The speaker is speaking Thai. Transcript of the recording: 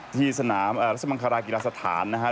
ที่สนามราชมังคลากีฬาสถานนะครับ